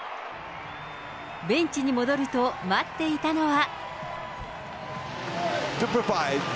ベンチに戻ると、待っていたのは。